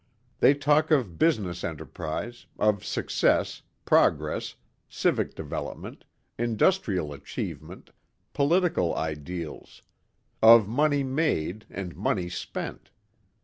They talk of business enterprise, of success, progress, civic development, industrial achievement, political ideals; of money made and money spent.